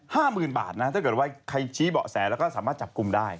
หมื่นบาทนะถ้าเกิดว่าใครชี้เบาะแสแล้วก็สามารถจับกลุ่มได้